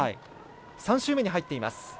３周目に入っています。